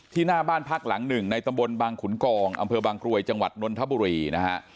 หน้าบ้านพักหลังหนึ่งในตำบลบางขุนกองอำเภอบางกรวยจังหวัดนนทบุรีนะฮะ